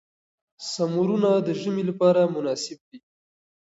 سمورونه د ژمي لپاره مناسب دي.